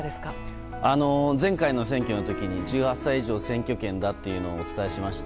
前回の選挙の時に１８歳以上選挙権だというのをお伝えしました。